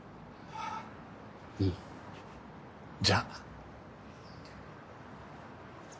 うんじゃ。